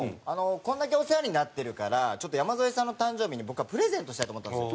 これだけお世話になってるからちょっと山添さんの誕生日に僕はプレゼントしたいと思ったんですよ。